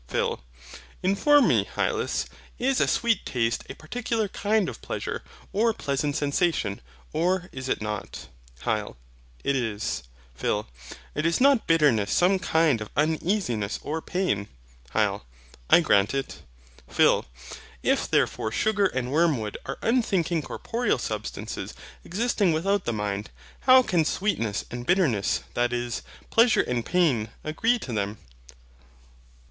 PHIL. Inform me, Hylas. Is a sweet taste a particular kind of pleasure or pleasant sensation, or is it not? HYL. It is. PHIL. And is not bitterness some kind of uneasiness or pain? HYL. I grant it. PHIL. If therefore sugar and wormwood are unthinking corporeal substances existing without the mind, how can sweetness and bitterness, that is, Pleasure and pain, agree to them?